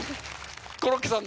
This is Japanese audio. コロッケさん